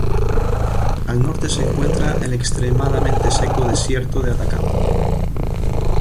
Al norte se encuentra el extremadamente seco Desierto de Atacama.